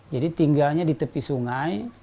jadi tinggalnya di tepi sungai